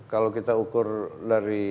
kalau kita ukur dari